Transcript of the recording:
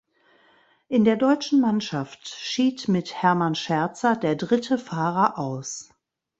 In der deutschen Mannschaft schied mit Hermann Scherzer der dritte Fahrer aus.